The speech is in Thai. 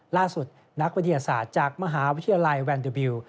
ล่าสุดนักวิทยาศาสตร์จากมหาวิชาลัยแวนเดอร์บิลล์